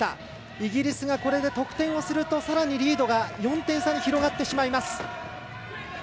イギリスがこれで得点をするとさらにリードが４点差に広がってしまいます。